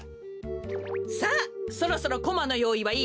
さあそろそろコマのよういはいい？